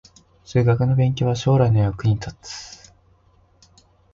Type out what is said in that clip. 数学の勉強は将来の役に立つ